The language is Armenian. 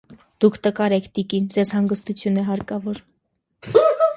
- Դուք տկար եք, տիկին, ձեզ հանգստություն է հարկավոր: